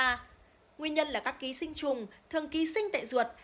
nguyên nhân là các ký sinh trùng thường ký sinh tại ruột